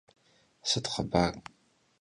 Sıt xhıbar?